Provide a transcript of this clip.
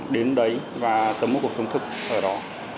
đến đấy và sống một cuộc sống thức ở đó